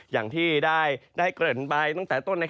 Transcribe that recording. อย่างที่ได้เกริ่นไปตั้งแต่ต้น